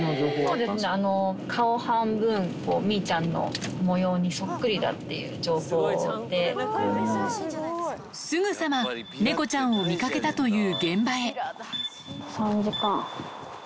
そうですね、顔半分、みーちゃんの模様にそっくりだっていうすぐさま猫ちゃんを見かけた３時間。